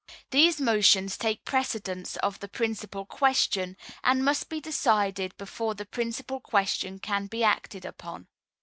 These motions take precedence of the Principal Question, and must be decided before the Principal Question can be acted upon.